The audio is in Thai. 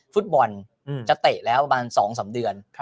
ฟุตบอลจะเตะแล้วประมาณ๒๓เดือน